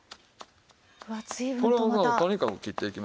これをとにかく切っていきますわ。